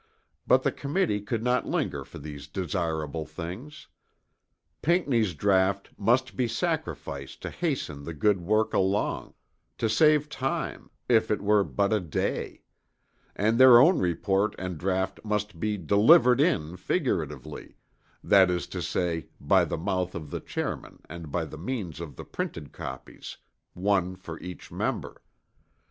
But the committee could not linger for these desirable things. Pinckney's draught must be sacrificed to hasten the good work along, to save time, if it were but a day; and their own report and draught must be "delivered in" figuratively, that is to say by the mouth of their chairman and by the means of the printed copies, one for each member.